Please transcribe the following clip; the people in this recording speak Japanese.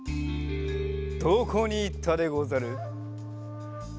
どこにいったでござる？